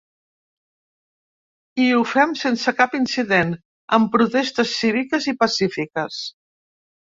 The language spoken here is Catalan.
I ho fem sense cap incident, amb protestes cíviques i pacífiques.